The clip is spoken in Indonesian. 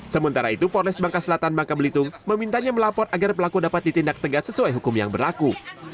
sementara itu polres bangka selatan bangka belitung memintanya melapor agar pelaku dapat ditindak tegas sesuai hukum yang berlaku